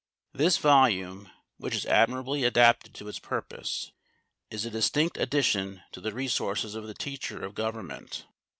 This volume, which is admirably adapted to its purpose, is a distinct addition to the resources of the teacher of Government.